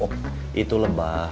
oh itu lebah